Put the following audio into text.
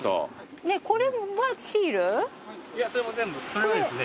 それはですね